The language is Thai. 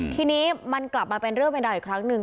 ทีนี้มันกลับมาเป็นเรื่องเป็นราวอีกครั้งหนึ่ง